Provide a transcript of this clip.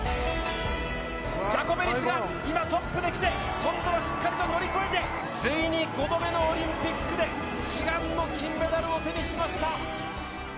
ジャコベリスが今トップで来て、今度はしっかりと乗り越えて、ついに５度目のオリンピックで悲願の金メダルを手にしました。